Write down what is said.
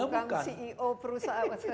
bukan ceo perusahaan